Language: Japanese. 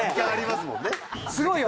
すごいよ。